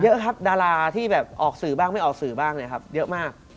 เยอะครับดาราที่แบบออกสื่อบ้างไม่ออกสื่อบ้างเนี่ยครับเยอะมาก